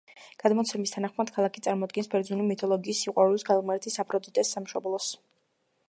გადმოცემის თანახმად ქალაქი წარმოადგენს ბერძნული მითოლოგიის სიყვარულის ქალღმერთის აფროდიტეს სამშობლოს.